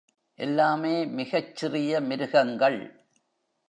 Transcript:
எல்லாமே மிகச் சிறிய மிருகங்கள்.